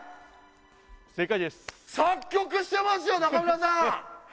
正解です作曲してますよ中村さん